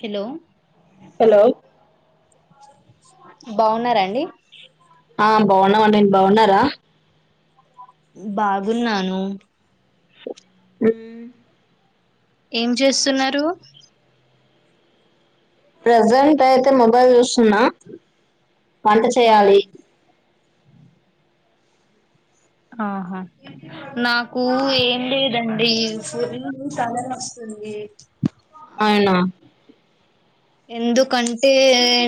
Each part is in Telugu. హలో హలో బాగున్నారా అండి ఆ బాగున్నామండి మీరు బాగున్నారా బాగున్నాను మ్ ఏం చేస్తున్నారు ప్రజెంట్ అయితే మొబైల్ చూస్తున్నా వంట చేయాలి నాకు ఏం లేదండి ఫుల్లు తల నొస్ మ్ అవునా ఎందుకంటే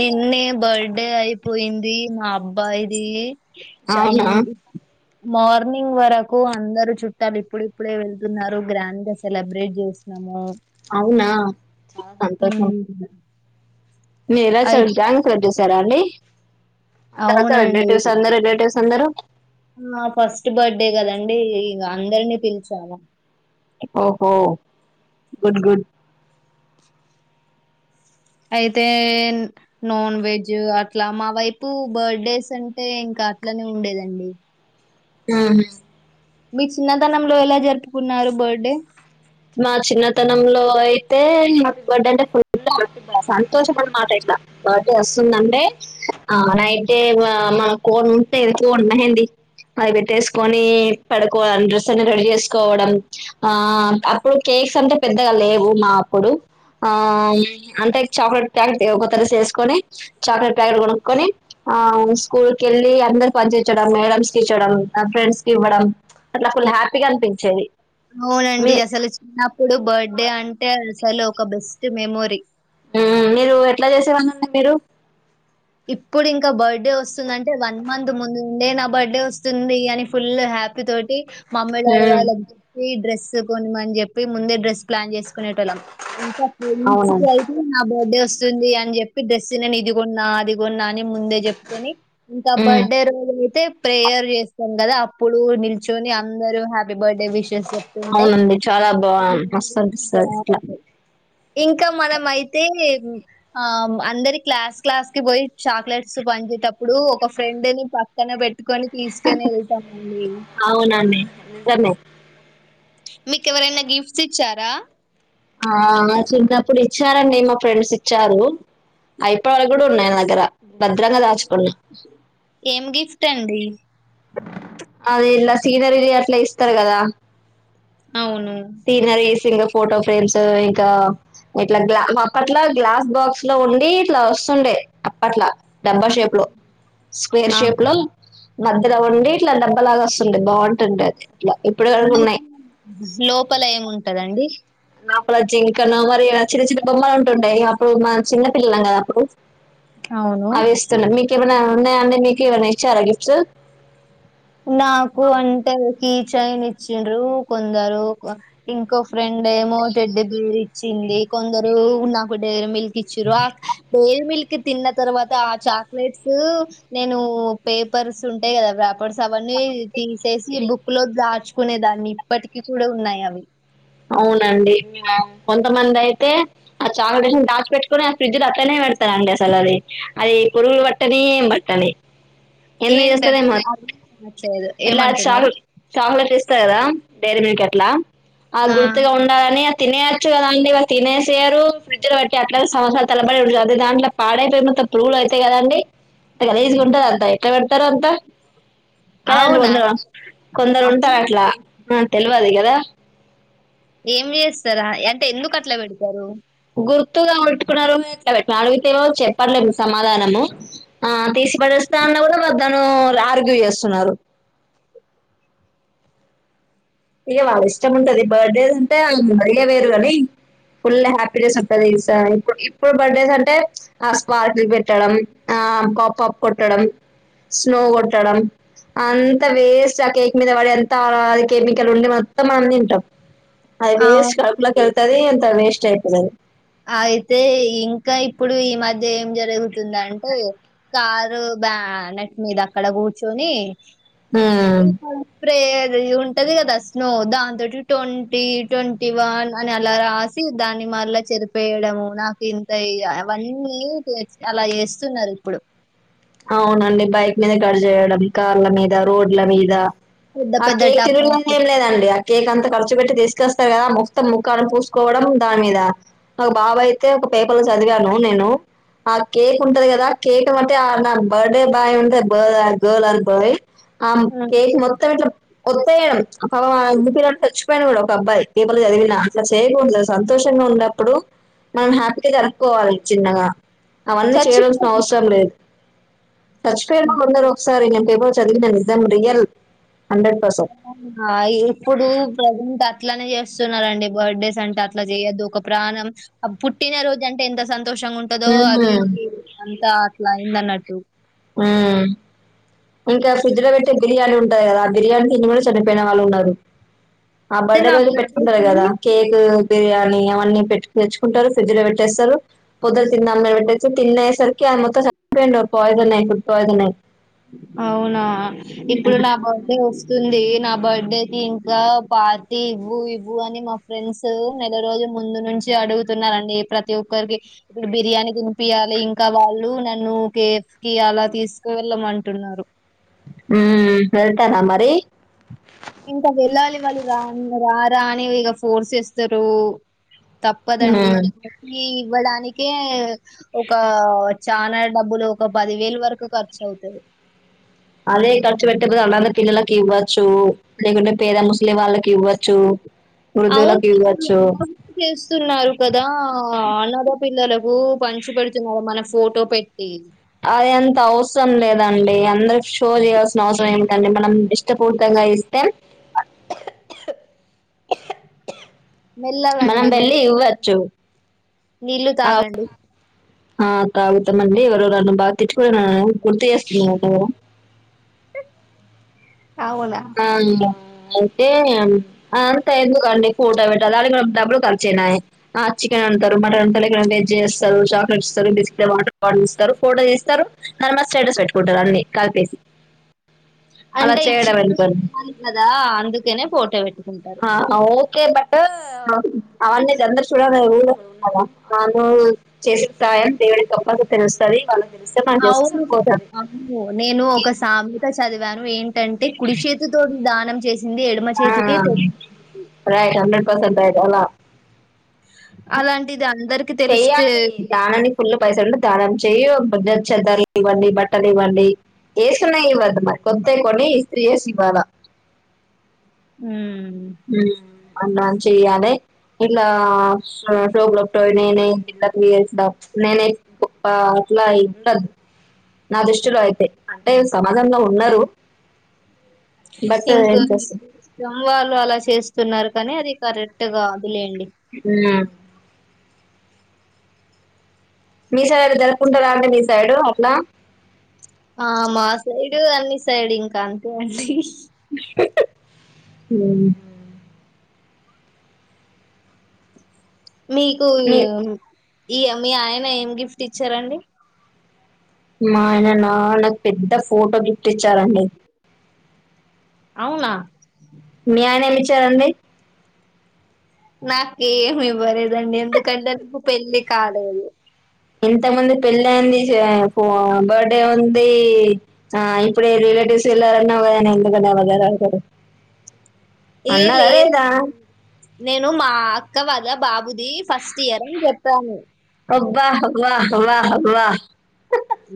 నిన్నే బర్త్డే అయిపోయింది మా అబ్బా యిది చైన్ అవునా మార్నింగ్ వరకు అందరు చుట్టాలు ఇప్పుడిప్పుడే వెళ్తున్నారు గ్రాండ్ గా సెలబ్రేట్ చేసి నము అవునా చాల సంతోషం మీలా చ అయితే గ్రాండ్ సెలబ్రేట్ చేసారా అండి అందరు అవునండి రిలేటివ్స్ అందరు రిలేటివ్స్ అందరు ఆ ఫస్ట్ బర్త్డే కదండి ఇగ అందరినీ పిలిచాము ఓహో గుడ్ గుడ్ అయితే నాన్ వెజ్ అట్లా మా వైపు బర్త్డేస్ అంటే ఇంకా అట్లనే ఉండేదండి ఉమ్ మీ చిన్నతనంలో ఎలా జరుపుకున్నారు బర్త్డే మా చిన్నతనంలో అయితే బర్డ అంటే ఫుల్ అతు సంతోషమన మాట బర్త్డే వస్తుందంటే ఆ నైటె మన కొనుంటే అదే కొను మెహందీ అది పెట్టేసుకొని పడుకోవడం డ్రెస్ అని రెడీ చేసుకోవడం ఆ ఇప్పుడు కేక్స్ అంటే పెద్దగా లేవు మా అప్పుడు ఆ అంటే చాక్లెట్ ప్యాకెట్ కొత్త డ్రెస్ వేసుకొని చాక్లెట్ ప్యాకెట్ కొనుక్కకొని ఆ స్కూల్ కెళ్ళి అందరు పనిచించడం మేడమ్స్ కి ఇచ్చడం ఫ్రెండ్స్ కి ఇవ్వడం అట్లా ఫుల్ హ్యాపీగా అనిపించేది అవునండి మీ అసలు చిన్నప్పుడు బర్త్డే అంటే అసలు ఒక బెస్ట్ మెమొరీ ఉమ్ మీరు ఎట్లా చేసేవాళ్ళండి మీరు ఇప్పుడు ఇంకా బర్త్డే వస్తుందంటె వన్ మంత్ ముందుండే నా బర్త్డే వస్తుంది అని ఫుల్ హ హ్యాపీ తోటి మమ్మీ డాడీ ఉమ్ వాళ్ళకి చెప్పి డ్రెస్ కొనిమని చెప్పి ముందే డ్రెస్ ప్లాన్ చేసుకునేటోళ్ళం ఇంకా ఫ్రెండ్స్కి అయితే నా బర్త్డే వస్తుంది అని చెప్పి డ్రెస్ నేను ఇదిగొన్నా అది కొన్నా అని ముందే చెప్పుకొని ఇంకా ఉమ్ బర్త్డే రోజు అయితే ప్రేయర్ చేస్తాం కదా అప్పుడు నిల్చొని అందరు హ్యాపీ బర్త్డే విషెస్ అవునండి చాలా బా మస్తు అనిపిస్తది ఇట్లా ఇంకా మనం అయి అయితే ఆ అందరి క్లాస్ క్లాస్ కి పోయి చాక్లెట్స్ పంచేటప్పుడు ఒక ఫ్రెండ్ ని పక్కన పెట్టి కొని తీసుకొని వెళ్తామండి అవునండి నిజమే మీక ఎవరైనా గిఫ్ట్స్ ఇచ్చారా ఆ చిన్నప్పుడు ఇచ్చారండి మా ఫ్రెండ్స్ ఇచ్చారు. ఐప్యాడ్ కూడా ఉన్నది నా దగ్గర భద్రంగా దాచు ఏం గిఫ్ట్ అండి అదే ఇట్లా సీనరీలు అట్లా ఇస్తారు కదా అవును. సీనరీస్ ఇంకా ఫోటో ఫ్రేమ్స్ ఇంకా ఇట్లా గ్లా అప్పట్లా గ్లాస్ బాక్స్ లో ఉండి ఇట్లా వస్తుండే అప్పట్లా డబ్బా షేప్ లో స్క్వేర్ షేప్ ఆహా! లో మధ్యలో ఉండి ఇట్లా డబ్బలాగా వస్తుండే బాగుంటుండే అది ఇట్లా ఇప్పుడు వరకు లోపల ఉన్నాయి లోపల ఏముంటదండి నా ప్రజి ఇంకన మరి ఆ చిన్న చిన్న బొమ్మలు ఉంటుండే అప్పుడు మన చిన్న పిల్లలం కదాప్పుడు అవును. అవి ఇస్తున్నా మీకేమనా ఉన్నా అండి మీకు ఇవన్న ఇచ్చారా గిఫ్ట్స్ నాకు అంటే కీ చైన్ ఇచ్చండ్రు కొందరు ఇంకో ఫ్రెండ్ ఏమో టెడ్డి బేర్ ఇచ్చింది కొందరు నాకు దగ్గర మళ్ కిచ్చరు ఆ పేర్ మిల్క్ తిన్న తర్వాత ఆ చాక్లెట్స్ నేను పేపర్స్ ఉంటాయి కదా పేపర్స్ అవన్నీ తీసేసి బుక్ లో దాచు కునే దాన్ని ఇప్పటికీ కూడా ఉన్నాయి అవి అవునండి కొంతమంది అయితే ఆ చాకటేషన్ దాచి పెట్టుకొని ఆ ఫ్రిడ్జిల అట్లనే పెడత రూ అండి సలది అది పరుగు వట్టని ఏమ్ బట్టణి ఏంటండి అది వినిపించట్లేదు ఇట్లా చాక్ ఏమంటున్నారు. చాక్లెట్ ఇస్త కదా డైరీ మిల్క్ ఎట్లా ఆ గుర్తుగా ఉండాలని తినేయచ్చు కదా అండి తినేసేయరు ఫ్రిడ్జ్ లో బట్టి అట్లా సంవత్సరాల తరబడి దాంట్లో పాడైపోయి మొత్తము పురుగులు అవుతయిదండి గలీజ్ గా ఉంటది ఎట్ల త అంతా కద అండి అవునా కొందరు కొందరు ఉంటారు అట్లా నాకు తెలువది కదా ఏం చేస్తారా అంటే ఎందుకు అట్లా పెడతారు గుర్తుగా కొట్టుకున్నారో అడిగితే ఏమో చెప్పత్లే సమాధానము ఆ తీసిపడేస్తా అన్న కూడాద్దను ఆర్గ్యూ చేస్తున్నారు. ఇక వాళ్ళ ఇష్టం ఉంటది బర్త్డేస్ అంటే మరిగ వేరు కాని ఫుల్ హ్యాపీనెస్ ఉంటంది ఇప్పుడు బర్త్డేస్ అంటే ఆ స్పార్క లు పెట్టడం ఆ పపప్ కొట్టడం స్నో కొట్టడం అంత వేస్ట్ ఆ కేక్ మీద పడి ఎంత కే ఇక్కడ ఉండి మొత్తం అంది తింటాం అది వేస్ట్ కడుపులోకి అవును వెళ్తుంది ఎంత వేస్ట్ అయిపోతది. అయితే ఇంకా ఇప్పుడు ఈ మధ్య ఏం జరుగుతుంది అంటే కారు బ్యా నట్ మీద అక్కడ కూర్చొని ే ఉమ్ [unintelligible] ఉంటది కదా స్నో దాంతోటి ట్వంటీ ట్వంటీ వన్ అని అలా రాసి దాని మ చెరు వేయడము నాకు ఇంత ఇ అవన్నీ అలా చేస్తున్నారు ఇప్పుడు అవునండి బైక్ మీద గడి చేయడం కార్ల మీద రోడ్ల మీద పెద్ద ఆ పెద్ద కేక్ తినడం ఏం టపాసులు లేదండి కేక్ అంత ఖర్చు పెట్టి తీసుకొస్తారు కదా మొత్తం ముక్కాని పూసుకోవడం దాని మీద ఒక బాబ అయితే పేపర్ లో చదివాను నేను ఆ కేక్ ఉంటది కదా కేక్ అంటే బర్డే బాయ్ ఉంటే బ గర్ల్ అండ్ బాయ్ ఆ ఉమ్. కేక్ మొత్తం ఇట్ ఒత్తయడం పా ఊపిరి ఆడక చచ్చిపోయాను కూడా ఒక అబ్బాయి పేపలు చదివినా అట్లా చేయకూడదు సంతోషంగా ఉన్నప్పుడు మనం హ్యాపీగా జరుపుకోవాలి చిన్నగా అవన్నీ చేయవలసిన అవసరం చచ్చిపోతున్నారు లేదు. చచ్చిపోయిన లో ఉన్నారురు ఒకసారి నేను పేపరు లో చదివిన నిజం రియల్ హండ్రెడ్ పర్సెంట్ ఇప్పుడు ప్రజంట్ అట్లనే చేస్తున్నారండి బర్త్డేస్ అంటే అట్లా చేయొద్దు ఒక ప్రాణం పుట్టినరోజు అంటే ఎంత సంతోషంగా ఉంటదో అది అంతా అట్లా అయింది అన్నట్టు ఉమ్మ్మ్ ఇంకా ఫ్రిడ్జ్ లో పెట్టే బిర్యానీ ఉంటది కదా ఆ బిర్యానీ తిని కూడా చనిపోయిన వాళ్ళు ఉన్నారు ఆ అయితే బర్డే నా రోజు పెట్టుకుంటారు బర్త్‌డేకి కదా కేక్ బిర్యానీ అవన్నీ పెట్టి తెచ్చుకుంటారు ఫ్రిజ్ లో పెట్టేస్తారు బొదదు తింద పెట్టేస్తే తినేసరికి మొత్తం చనిపోయిండు పోయిషన్ అయి ఫుడ్ పోయిషన్ అయ్యి అవునా ఇప్పుడు నా బర్త్డే వస్తుంది నా బర్త్డేకిి ఇంకా పార్టీ ఇవ్వు ఇవ్వు అని మా ఫ్రెండ్స్ నెల రోజు ముందు నుంచి అడుగుతున్నారండి ప్రతి ఒక్కరికి ఇప్పుడు బిర్యానీ తినిపియాలి ఇంకా వాళ్ళు నన్నుకి అలా తీసుకువెళ్ళమంటున్నారు హ వెళ్తారా మరి ఇంకా వెళ్ళాలి వాళ్ళు రా రారా అని ఇక ఫోర్స్ చేస్తారు తప్పదండి ఇవ్వడానికే ఒక చాలనా డబ్బులు ఒక పది వేలు వరకు ఖర్చు అవుతుది [inaudible] అదే ఖర్చు పెట్టపోతే అనాధ పిల్లలకి ఇవ్వచ్చు లేకుంటే పెద్ద ముస్లి వాళ్ళకి ఇవ్వచ్చు అవును వృద్ధులకు ఇ ఇవ్వచ్చు అ కూడా చేస్తున్నారు కదా అన్నద పిల్లలకు వో పంచి పెడుతున్నారు మన ఫోటో పెట్టి అద అంత అవసరం లేదండి అందరు షో చేయాల్సిన అవసరం ఏండి మనం ఇష్టపూర్త ఇస్తే మనం మెల్లగాండీ మెల్ల వెళ్ళి ఇవ్వచ్చు నీళ్ళలు ఆ, తాగండి ఆ తాగుతాంమండి ఎవరు నన్ను బాగా తెచ్చుకు నన్ను గుర్తు చేస్తాన్నా [inaudible] ఆవున్న అయితే అంత ఎందుకండి ఫోటో పెట్టాల దానికి కూడా డబ్బులు ఖర్చయినాయి చికె అ మటన్ అ వెజ్స్తారు చాక్లెట్ ఇస్తారు బస్ట్టస్తారు ఫోటోస్తారు స్టేటస్ పెట్టుకుంటారు అన్ని కాల్పేసి అంటే ఇచ్చన్న చాలి కదా అందుకేనే ఫోటో పెట్టుకుంటారు ఆ ఓకే బట్ అవన్నీది అందరు చూడరు ద అను చేస ప్రాయం దేవుడి తప్పగా తెలుస్తుంది వాళ్ళ అవును అవును నేను ఒక సామత చదివాను ఏంటి అంటే కుడి చేతితోటి దానం చేసింది ఎడమ ఆ చేతికే తెలు రట్ హండ్రెడ్ పర్సెంట్ రట్ అలా అలాంటిది అందరికి తెలిస్తే చెయ్యాలి దధానానికి ఫుల్ పైస ఉంటే దానం చేయాలి కొంచె చెద్దరలు ఇవ్వండి బట్టలు ఇవ్వండి వేసుకున్నా ఇవ్వద్దు మరి కొంత కొన్ని ఇస్త్రి చేసి ఇవ్వాలి లా హ్మ్మ్ హ్మ్ అన్న చెయ్యాలి ఇట్లా టోనేనే ఇయ నేనే పాట్లాయిట్ల నా దృష్టిలో అయితే అంటే సమాజంలో ఉన్నారు బట్ ఏం చేస్తాం ఇంకాష్టం వాళ్ళు అలా చేస్తున్నారు కానీ అది కరెక్ట్ గా ఆమ్మ్ మీ సైడ్ అ జరుపుకుంటారా అంటడి మీ సైడు అట్లా ఆ మా సైడు అన్ని సైడ్ ఇంకా అంతే అండి హ్మ్మ్ మీకు మీ ఈ మీ ఆయన ఏం గిఫ్ట్ ఇచ్చారండి మా ఆయన నా నాకు పెద్ద ఫోటో గిఫ్ట్ ఇచ్చారండి అవునా మీ ఆయన ఏమి ఇచ్చారండి నాకేమి ఇవ్వలేదండి ఎందుకంటే నాకు పెళ్లి కాలేదు ఇంత మంది పెళ్ళ అయింది బర్త్డే ఉంది ఆ ఇప్పుడు రిలేటివస్ ఎలాన్నా ఎందునే వగ [unintelligible] ఏ లేదు నేను మా అక్క వాళ్ళ వల్ల బాబ్ అది ఫస్ట్ ఇయర్ అని చెప్పాను అబ్బ హవ్వా హవ్వా హవ్వా అ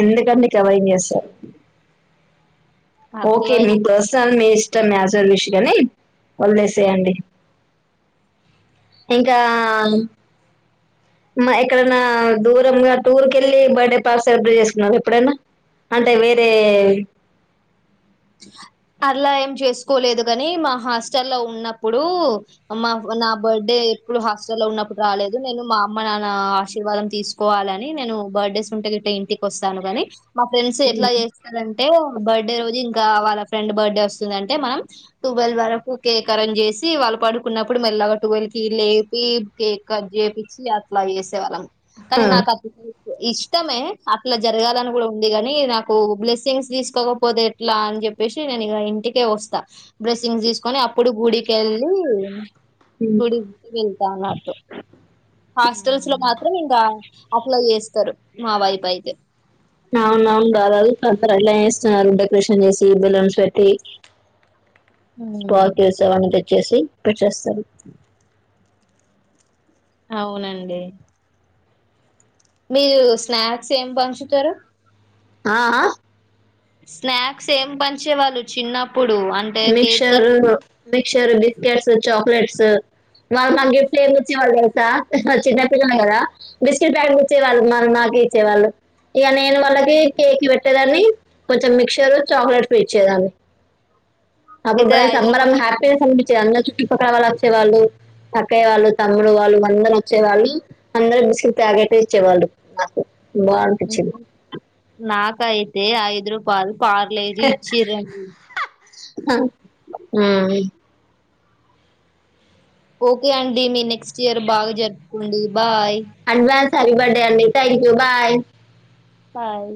ఎందుకండి ఇట్లా అవైర్నెస్ ఓకే అట్లా మీ డ్రస్ ఐరెన్ [unintelligible] చేస్ ఇట్లా మ్యాచ్లను చూసెటొల్లని వదిలేసేయండి ఇంకా మ్మ్ ఎక్కడన్నా దూరంగా టూర్ కి వెళ్ళి బర్త్డే బాగా. సెలబ్రేట్ చేసుకున్నావా ఎప్పుడన్నా అంటే వేరే ఇంగా అలా ఏం చేసుకోలేదు కాని మా హాస్టల్ లో ఉన్నప్పుడు మా నా బర్త్డే ఎప్పుడు హాస్టల్లో ఉన్నప్పుడు రాలేదు నేను మా అమ్మ నాన్న ఆశీర్వాదం తీసుకోవాలని నేను బర్త్డేస్ ఉంటే ఇంటికి వస్తాను కానీ మా ఫ్రెండ్స్ ఎట్లా చేస్తారంటే బర్త్డే రోజు వాళ్ళ ఫ్రెండ్ బర్త్డే వస్తుంది అంటే మనం టువెల్ వరకు కేక్ అరంజ్ చేసి వాళ్ళు పడుకున్నప్పుడు మరి ఇలా ట్వల్వ్ కి లేపి కేక్ కట్ చేపించి అట్లా చేేసే వాళ్ళం ఆ, కానీ నాక [unintelligible] ఇష్టమే అట్లా జరగాలని కూడా ఉంది గాని నాకు బ్లెస్సింగ్స్ తీసుకోకపోతే ఇట్లా అని చెప్పేసి నేను ఇక ఇంటికే వస్తా బ్లెస్సింగ్ తీసుకొని అప్పుడు గుడికెళ్ళి ఉమ్. గుడికి వెళ్తాన్నట్టు హాస్టల్స్ లో మాత్రం ఇంకా అట్లా చేస్తారు మా వైపు అయితే నవునువును డబలు అందరు ఎ [unintelligible] లాస్తున్నారు డెకరేషన్ చేసి బెలూన్స్ పెట్టి ఉమ్ స్పాక్యూ ఏసే వాళ్ళని తెచ్చేసి పెట్టేస్తారు అవునండి మీరు స్నాక్స్ ఏం పంచుతారు అ ఆ స్నాక్స్ ఏం పంచేవాళ్ళు చిన్నప్పుడు అంటే కేక్ క మిక్చర్ మిక్చర్ బిస్కెట్స్ చాక్లెట్స్ మానకు గిఫ్ట్ లు ఎవరు ఇచ్చే వాళ్ళు చిన్నపిల్లలు కదా బిస్కెట్ ప్యాకెట్ ఇచ్చేవాళ్ళు మనం వాళ్ళకే ఇచ్చేవాళ్ళం ఇక నేను వాళ్ళకి కేక్ లు పెట్టేదాన్ని కొంచెం మిక్చర్ చాక్లెట్ ఇచ్చే దాన్ని అప్పుడు అయితే బలే ఐదు సంబరం రూపాయలు హ్యాపీనెస్ అనిపించేది అందరు చుట్టుపక్కల వాళ్ళు వచ్చేవాళ్ళు అక్కయ్య వాళ్ళు తమ్ముడు వాళ్ళు అందరు వచ్చే వాళ్ళు అందరు బిస్కట్ ప్యాకెట్లు ఇచ్చేవాళ్ళు నాకు బాగా అనిపించింది నాకయితే ఐదు రూపాయిలు పార్లేజి ఇచ్చేటొళ్ళు హ ఓకే అండి మీ నెక్స్ట్ ఇయర్ బాగా జరుపుకోండి బాయ్ చదువు కొండి అన్ని థ్యాంక్ యూ బాయ్ తాల్